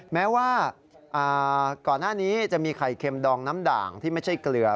แม้ว่าก่อนหน้านี้จะมีไข่เค็มดองน้ำด่างที่ไม่ใช่เกลือ